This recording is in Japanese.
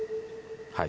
はい？